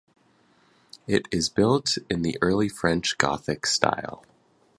It is built in the early French Gothic style.